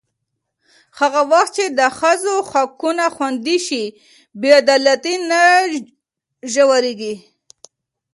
هغه وخت چې د ښځو حقونه خوندي شي، بې عدالتي نه ژورېږي.